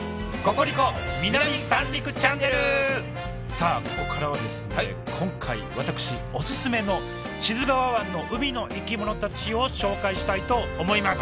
さあここからは今回私オススメの志津川湾の海の生き物たちを紹介したいと思います。